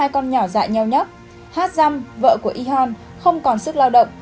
cuộc sống của ihon eulun đã bị bỏ lại